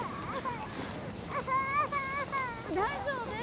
・大丈夫？